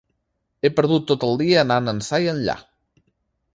He perdut tot el dia anant ençà i enllà!